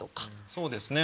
そうですね。